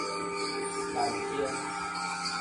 閩清